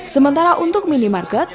sementara untuk minimarket